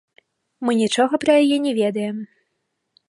Мы нічога пра яе не ведаем.